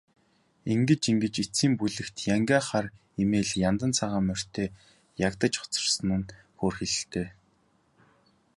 Ингэж ингэж эцсийн бүлэгт янгиа хар эмээл, яндан цагаан морьтой ягдаж хоцорсон нь хөөрхийлөлтэй.